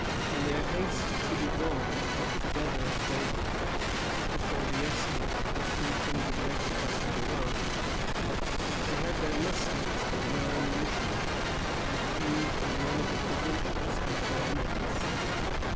In their haste to be gone they got together at daybreak, before the escort of three hundred regulars had arrived. They had their muskets, but no ammunition; and few or none of the provincials had bayonets.